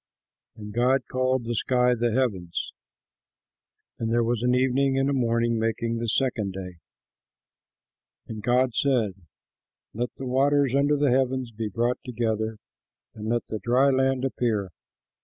And God called the sky the Heavens. And there was an evening and a morning, making the second day. And God said, "Let the waters under the heavens be brought together, and let the dry land appear."